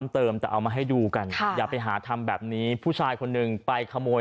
เติมแต่เอามาให้ดูกันอย่าไปหาทำแบบนี้ผู้ชายคนหนึ่งไปขโมย